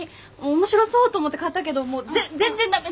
面白そうと思って買ったけど全然駄目。